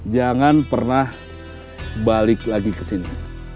jangan pernah balik lagi ke sini